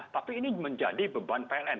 tapi ini menjadi beban pln